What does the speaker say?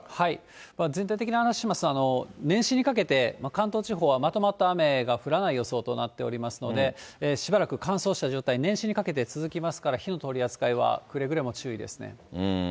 全体的な話しますと、年始にかけて関東地方はまとまった雨が降らない予想となっておりますので、しばらく乾燥した状態、年始にかけて続きますから、火の取り扱いはくれぐれも注意ですね。